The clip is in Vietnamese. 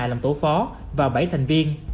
làm tổ phó và bảy thành viên